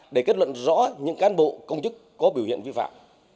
để kết luận rõ những cán bộ công chức có biểu hiện vi phạm